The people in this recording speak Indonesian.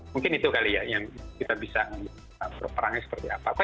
mungkin itu kali ya yang kita bisa berperangnya seperti apa